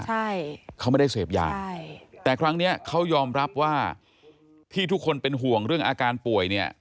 ใช่เขาไม่ได้เสพยาใช่แต่ครั้งเนี้ยเขายอมรับว่าที่ทุกคนเป็นห่วงเรื่องอาการป่วยเนี่ย